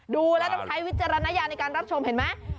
ดูแล้วต้องใช้วิจารณญาณในการรับชมเห็นไหม